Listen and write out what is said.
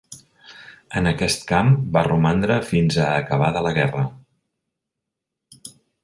En aquest camp va romandre fins a acabada la guerra.